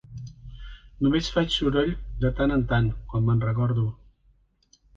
Només faig soroll de tant en tant, quan me'n recordo.